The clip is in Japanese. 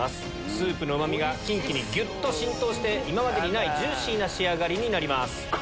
スープのうまみがキンキにギュっと浸透して今までにないジューシーな仕上がりになります。